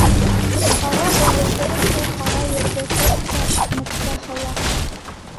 Ҡара ыуылдырыҡтай ҡара ерҙе тот та икмәккә һыла.